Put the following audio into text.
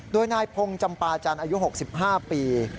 โดยนายพงศ์จำปาจันทร์อายุ๖๕ปี